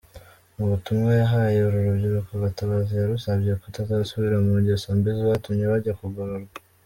Mu butumwa yahaye uru rubyiruko, Gatabazi yarusabye kutazasubira mu ngeso mbi zatumye bajya kugororwa.